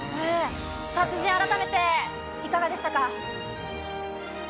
達人、改めていかがでしたか。